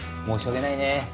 申し訳ないね。